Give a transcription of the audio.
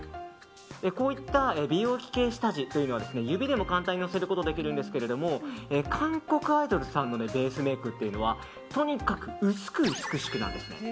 こういった美容液系の下地は指でも簡単にのせることはできるんですけど韓国アイドルさんのベースメイクというのはとにかく薄く美しくなんです。